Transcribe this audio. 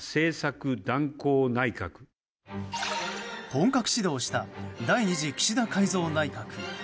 本格始動した第２次岸田改造内閣。